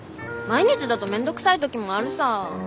毎日だと面倒くさい時もあるさー。